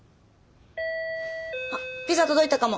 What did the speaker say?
あっピザ届いたかも。